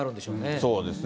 そうですね。